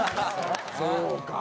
そうか！